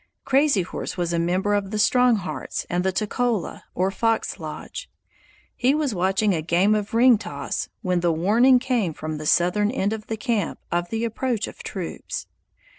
Crazy Horse was a member of the "Strong Hearts" and the "Tokala" or Fox lodge. He was watching a game of ring toss when the warning came from the southern end of the camp of the approach of troops.